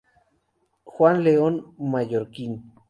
Juan León Mallorquín".